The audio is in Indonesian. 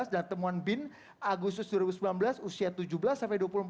dan temuan bin agustus dua ribu sembilan belas usia tujuh belas sampai dua puluh empat